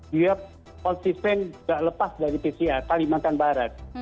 dia konsisten tidak lepas dari pcr kalimantan barat